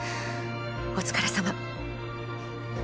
お疲れさま。